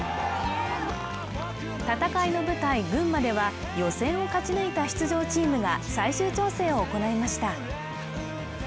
戦いの舞台・群馬では予選を勝ち抜いた出場チームが最終調整を行いました。